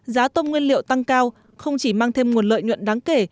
giá tôm nguyên liệu tăng cao không chỉ mang thêm nguồn lợi nhuận đáng kể